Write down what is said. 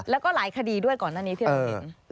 แล้วก็หลายคดีด้วยก่อนหน้านี้ที่เราเห็น